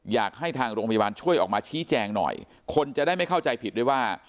อยากให้ทางโรงพยาบาลช่วยออกมาชี้แจงหน่อยคนจะได้ไม่เข้าใจผิดด้วยว่า